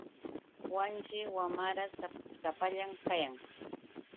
Wanshi wamarash sapallan kayan.